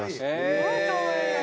すごいかわいい。